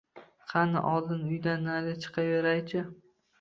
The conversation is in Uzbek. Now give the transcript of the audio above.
Qani, oldin uydan nari chiqaveray-chi